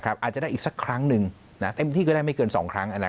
อาจจะได้อีกสักครั้งหนึ่งเต็มที่ก็ได้ไม่เกิน๒ครั้ง